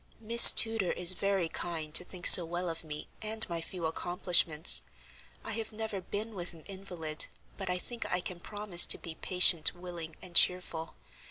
"Miss Tudor is very kind to think so well of me and my few accomplishments. I have never been with an invalid, but I think I can promise to be patient, willing, and cheerful.